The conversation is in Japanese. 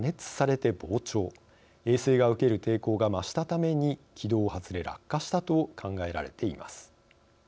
衛星が受ける抵抗が増したために軌道を外れ落下したと考えられています。